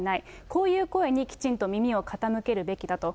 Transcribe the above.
こういう声にきちんと耳を傾けるべきだと。